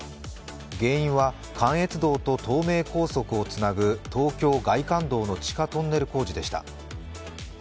原因は関越道と東名高速をつなぐ東京外環道の地下トンネル工事でした。